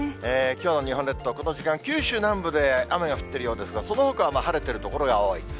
きょうの日本列島、この時間、九州南部で雨が降ってるようですが、そのほかは晴れてる所が多い。